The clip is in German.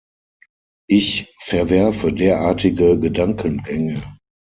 Ich verwerfe derartige Gedankengänge.